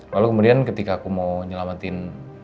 lalu kemudian ketika aku mau nyelamatin